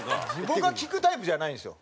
僕は聞くタイプじゃないんですよ。